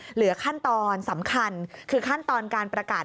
เหลือขั้นตอนสำคัญคือขั้นตอนการประกาศ